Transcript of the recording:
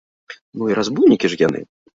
Ну і разбойнікі ж яны!